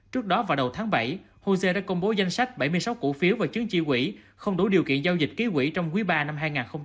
trước đó vào đầu tháng bảy hosea đã công bố danh sách bảy mươi sáu cụ phiếu và chứng chi quỷ không đủ điều kiện giao dịch ký quỷ trong quý ba năm hai nghìn hai mươi ba